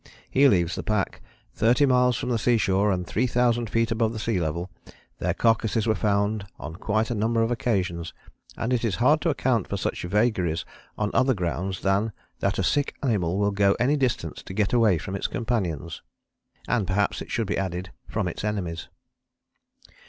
He leaves the pack. "Thirty miles from the sea shore and 3000 feet above sea level, their carcases were found on quite a number of occasions, and it is hard to account for such vagaries on other grounds than that a sick animal will go any distance to get away from its companions" (and perhaps it should be added from its enemies).